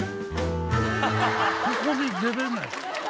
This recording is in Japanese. ここに出れない。